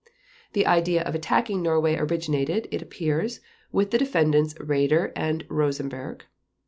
The idea of attacking Norway originated, it appears, with the Defendants Raeder and Rosenberg.